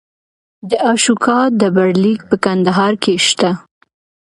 د اشوکا ډبرلیک په کندهار کې شته